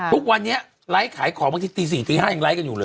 ทุกวันนี้ไร้ขายของบางทีตี๔๕ยังไร้อยู่เลย